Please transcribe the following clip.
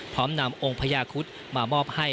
พร้อมนำองค์พญาคุธมามอบให้